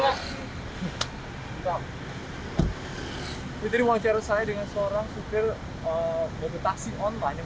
itu nih wawancara saya dengan seorang supir